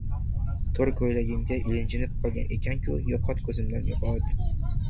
— To‘rko‘ylagimga ilijnib qolgan ekan-ku! Yo‘qot, ko‘zimdan yo‘qot!